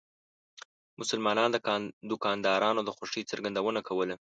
مسلمانو دکاندارانو د خوښۍ څرګندونه کوله.